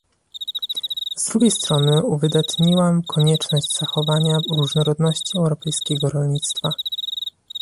Z drugiej strony uwydatniłam konieczność zachowania różnorodności europejskiego rolnictwa